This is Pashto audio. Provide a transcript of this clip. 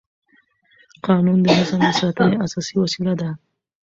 قانون د نظم د ساتنې اساسي وسیله ده.